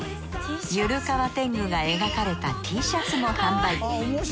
ゆるかわ天狗が描かれたＴシャツも販売。